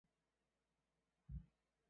朱元璋遣使通好。